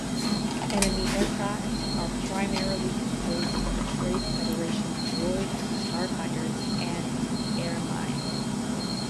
Enemy aircraft are primarily composed of Trade Federation Droid starfighters and air mines.